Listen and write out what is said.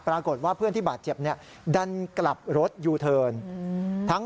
ปรากฏว่าเพื่อนที่บาดเจ็บดันกลับรถยูเทิร์น